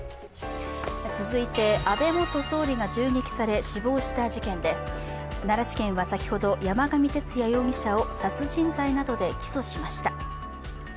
安倍元総理が銃撃され死亡した事件で、奈良地検は先ほど山上徹也容疑者を殺人罪などで起訴しました。